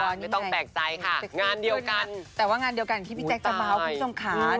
ไม่ต้องแปลกใจค่ะงานเดียวกันแต่ว่างานเดียวกันที่พี่แจ๊คจะเบาคุณผู้ชมค่ะ